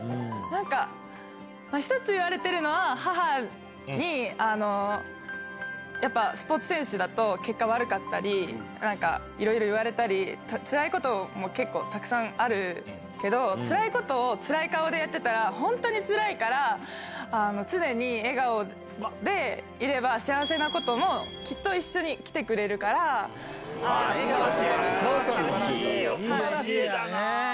なんか、１つ言われてるのは、母に、やっぱスポーツ選手だと結果悪かったり、いろいろいわれたり、つらいことも結構たくさんあるけど、つらいことをつらい顔でやってたら、本当につらいから、常に笑顔でいれば幸せなこともきっと一緒に来てくれるから、お母さんの教えなんだ。